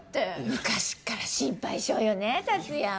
昔っから心配性よね達也は。